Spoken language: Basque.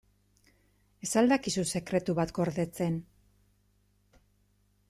Ez al dakizu sekretu bat gordetzen?